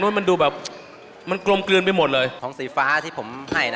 แต่ค่อนข้างได้ใจความ